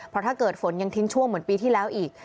เพราะถ้าเกิดฝนยังทิ้งช่วงเหมือนปีที่แล้วอีก